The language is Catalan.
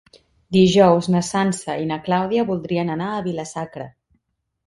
Dijous na Sança i na Clàudia voldrien anar a Vila-sacra.